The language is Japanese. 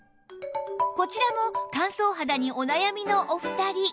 こちらも乾燥肌にお悩みのお二人